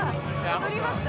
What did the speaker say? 踊りました？